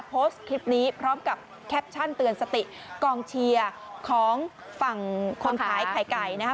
โพสต์คลิปนี้พร้อมกับแคปชั่นเตือนสติกองเชียร์ของฝั่งคนขายไข่ไก่นะคะ